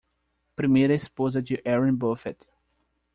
Primeira esposa de Warren Buffett.